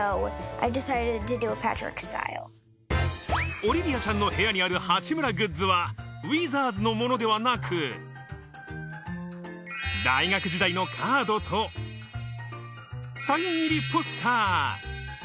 オリビアちゃんの部屋にある八村グッズはウィザーズのものではなく、大学時代のカードと、サイン入りポスター。